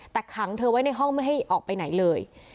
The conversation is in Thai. แต่ขังเธอไว้ในห้องไม่ให้ออกไปไหนเลย